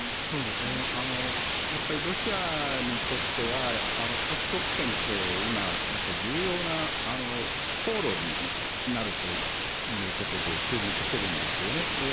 やっぱりロシアにとっては北極圏って今重要な航路になるということで注目してるんですよね。